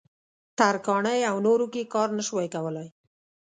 ترکاڼۍ او نورو کې کار نه شوای کولای.